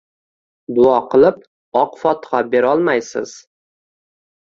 Duo qilib oq fotixa berolmaysiz